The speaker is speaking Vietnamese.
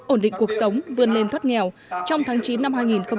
ổn định cuộc sống vươn lên thoát nghèo trong tháng chín năm hai nghìn một mươi chín